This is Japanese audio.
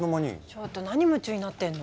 ちょっと何夢中になってんの？